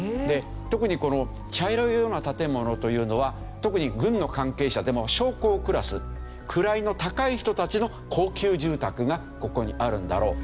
特にこの茶色いような建物というのは特に軍の関係者でも将校クラス位の高い人たちの高級住宅がここにあるんだろう。